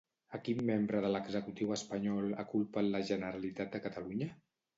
A quin membre de l'executiu espanyol ha culpat la Generalitat de Catalunya?